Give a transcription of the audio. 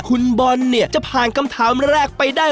คุณบอลเนี่ยจะผ่านคำถามแรกไปได้